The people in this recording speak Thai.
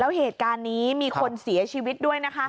แล้วเหตุการณ์นี้มีคนเสียชีวิตด้วยนะคะ